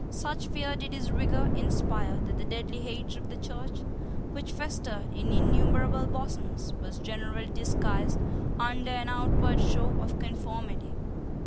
Such fear did his rigour inspire that the deadly hatred of the Church, which festered in innumerable bosoms, was generally disguised under an outward show of conformity.